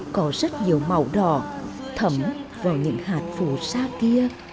có rất nhiều màu đỏ thấm vào những hạt phù sa kia